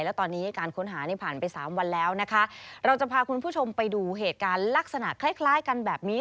แล้วตอนนี้การค้นหานี่ผ่านไปสามวันแล้วนะคะเราจะพาคุณผู้ชมไปดูเหตุการณ์ลักษณะคล้ายคล้ายกันแบบนี้